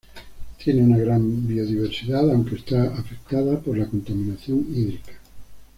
Tiene una gran biodiversidad, aunque está afectada por la contaminación hídrica.